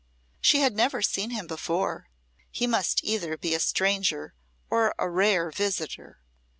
She had never seen him before; he must either be a stranger or a rare visitor.